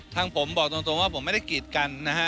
ทางผมบอกตรงว่าผมไม่ได้กีดกันนะฮะ